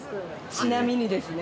ちなみにですね